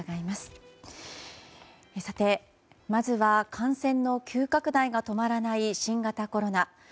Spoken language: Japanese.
まずは、感染の急拡大が止まらない新型コロナ。